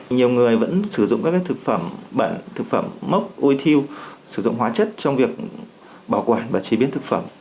nhiều người vẫn sử dụng các thực phẩm bẩn thực phẩm mốc ôi thiêu sử dụng hóa chất trong việc bảo quản và chế biến thực phẩm